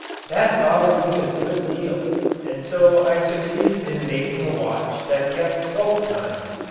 That bothered me a good deal and so I succeeded in making a watch that kept both times.